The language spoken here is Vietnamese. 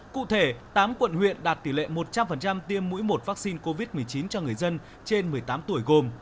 cụ thể tám quận huyện đạt tỷ lệ một trăm linh tiêm mũi một vaccine covid một mươi chín cho người dân trên một mươi tám tuổi gồm